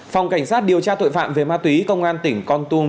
phòng cảnh sát điều tra tội phạm về ma túy công an tỉnh con tum